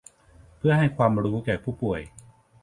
เพื่อให้ความรู้แก่ผู้ป่วย